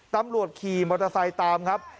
ตำรวจขี่มอเตอร์ไซค์ตามครับ